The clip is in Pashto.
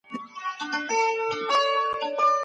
استازي به د بیان ازادي ساتي.